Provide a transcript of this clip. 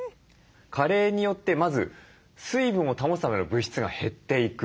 加齢によってまず水分を保つための物質が減っていく。